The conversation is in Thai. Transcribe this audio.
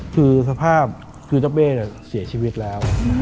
คือเจ้าเป้เสียชีวิตแล้ว